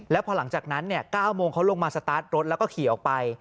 แล้วพอหลังจากนั้น๙โมงเขาลงมาสตาร์ทรถแล้วก็ขี่ออกไป